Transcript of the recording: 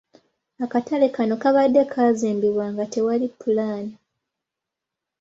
Akatale kano kabadde kaazimbibwa nga tewali pulaani.